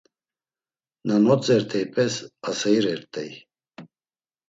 Na notzert̆eypes aseirert̆ey.